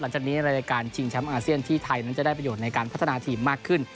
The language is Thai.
หลังจากนี้รายการชิงแชมป์อาเซียนที่ไทยนั้นจะได้ประโยชน์ในการพัฒนาทีมมากขึ้น